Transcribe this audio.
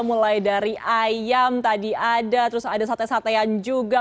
mulai dari ayam tadi ada terus ada sate satean juga